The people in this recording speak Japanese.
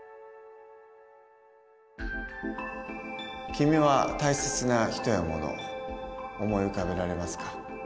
君は大切な人やもの思い浮かべられますか？